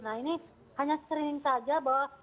nah ini hanya screening saja bahwa